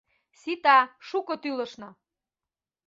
— Сита, шуко тӱлышна!